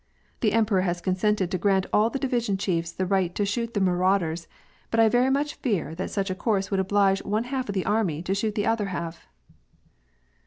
The em peror has consented to grant all the division chiefs the right to shoot the marauders, but I very much fear that such a course would oblige one half of the army to shoot the other half.